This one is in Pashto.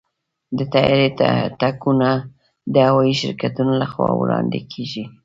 د طیارې ټکټونه د هوايي شرکتونو لخوا وړاندې کېږي.